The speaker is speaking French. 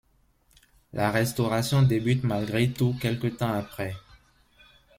La restauration débute malgré tout quelque temps après.